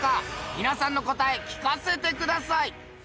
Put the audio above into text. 皆さんの答え聞かせてください。